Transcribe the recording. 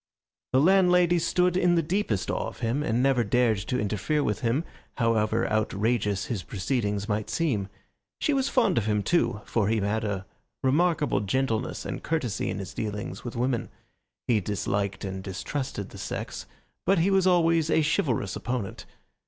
The landlady stood in the deepest awe of him and never dared to interfere with him, however outrageous his proceedings might seem. She was fond of him, too, for he had a remarkable gentleness and courtesy in his dealings with women. He disliked and distrusted the sex, but he was always a chivalrous opponent.